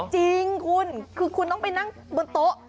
จริงคุณคือคุณต้องไปนั่งบนโต๊ะ